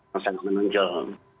masa yang menonjol